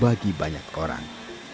bagi banyak orang